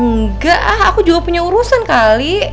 enggak aku juga punya urusan kali